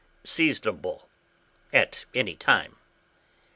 Seasonable at any time.